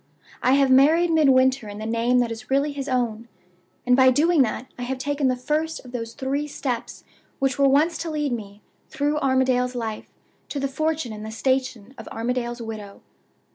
I have married Midwinter in the name that is really his own. And by doing that I have taken the first of those three steps which were once to lead me, through Armadale's life, to the fortune and the station of Armadale's widow.